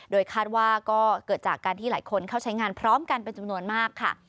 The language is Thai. โดยคาดว่าก็เกิดจากการที่หลายคนเข้าใช้งานพร้อมกันเป็นจำนวนมากค่ะ